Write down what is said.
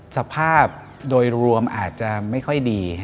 สภาพโดยรวมอาจจะไม่ค่อยดี